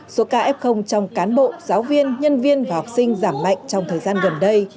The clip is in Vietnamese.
số ca f trong cán bộ giáo viên nhân viên và học sinh giảm mạnh trong thời gian gần đây